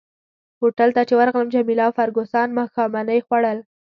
هوټل ته چي ورغلم جميله او فرګوسن ماښامنۍ خوړل.